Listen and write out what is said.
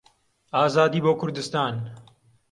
ئازادی بۆ کوردستان!